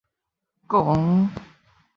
狂